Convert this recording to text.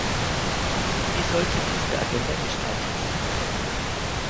Wie sollte unsere Agenda gestaltet sein?